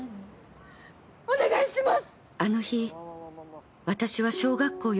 お願いします。